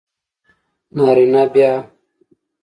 نارینه بیا